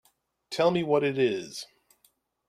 Tell me what it is.